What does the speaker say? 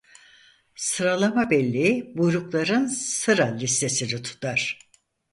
Sıralama belleği buyrukların sıra listesini tutar.